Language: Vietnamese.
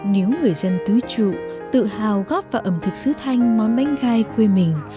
nếu người dân tứ trụ tự hào góp vào ẩm thực sứ thanh món bánh gai quê mình